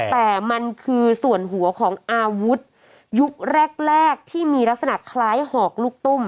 แต่มันคือส่วนหัวของอาวุธยุคแรกที่มีลักษณะคล้ายหอกลูกตุ้ม